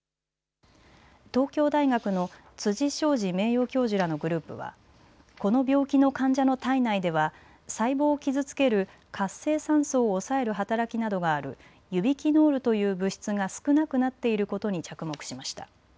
東京大学の辻省次名誉教授らのグループはこの病気の患者の体内では細胞を傷つける活性酸素を抑える働きなどがあるユビキノールという物質が少なくなっていることに着目しました。